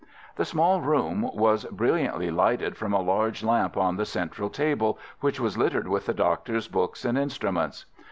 The small room was brilliantly lighted from a large lamp on the central table, which was littered with the doctor's books and instruments.